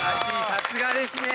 さすがです。